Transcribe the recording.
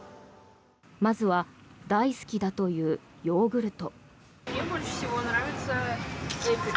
まずは大好きだというヨーグルト。